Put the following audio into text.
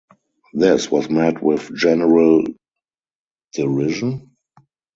This was met with general derision.